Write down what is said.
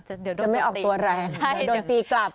จะไม่ออกตัวแรงโดนตีกลับ